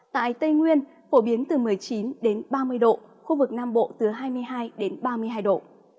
tại tây nguyên phổ biến từ một mươi chín đến ba mươi độ khu vực nam bộ từ hai mươi hai đến ba mươi hai độ